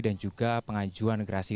dan juga pengajuan gerasi